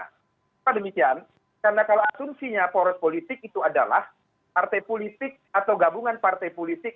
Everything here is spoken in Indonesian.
karena demikian karena kalau asumsinya poros politik itu adalah partai politik atau gabungan partai politik